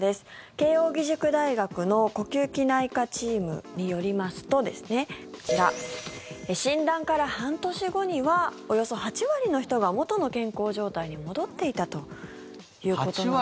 慶応義塾大学の呼吸器内科チームによりますと診断から半年後にはおよそ８割の人が元の健康状態に戻っていたということなんですね。